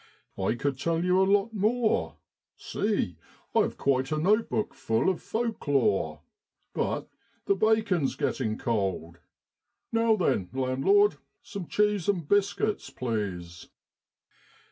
6 1 could tell you a lot more. See ! I've quite a note book full of folk lore. But the bacon's getting cold. Now then, landlord, some cheese and biscuits, please.'